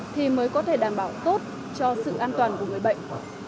thì mới có thể đảm bảo tốt cho sự an toàn của người bệnh